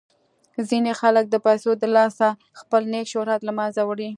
ځینې خلک د پیسو د لاسه خپل نیک شهرت له منځه وړي.